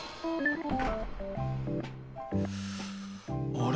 あれ？